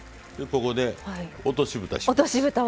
ここで落としぶたします。